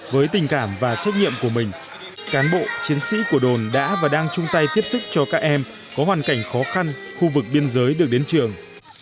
với tình cảm và trách nhiệm của mình cán bộ chiến sĩ của đồn đã và đang chung tay tiếp sức cho các em có hoàn cảnh khó khăn khu vực biên giới được đến trường